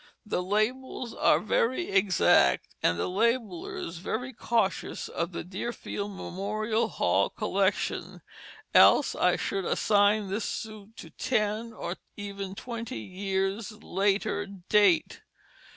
The labels are very exact and the labellers very cautious of the Deerfield Memorial Hall collection, else I should assign this suit to a ten or even twenty years' later date.